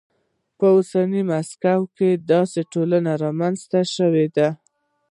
په اوسنۍ مکسیکو کې داسې ټولنې رامنځته شوې وې.